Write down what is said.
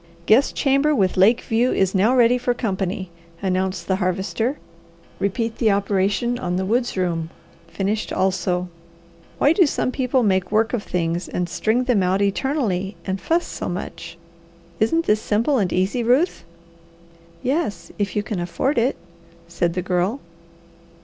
"Guest chamber with lake view is now ready for company," announced the Harvester. "Repeat the operation on the woods room, finished also. Why do some people make work of things and string them out eternally and fuss so much? Isn't this simple and easy, Ruth?" "Yes, if you can afford it," said the Girl.